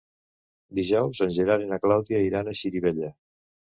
Dijous en Gerard i na Clàudia iran a Xirivella.